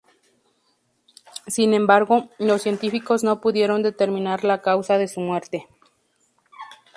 Sin embargo, los científicos no pudieron determinar la causa de su muerte.